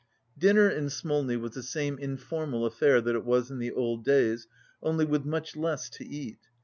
18 Dinner in Smolni was the same informal affair that it was in the old days, only with much less to eat.